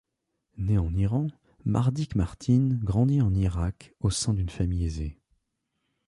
Né en Iran, Mardik Martin grandit en Irak au sein d'une famille aisée.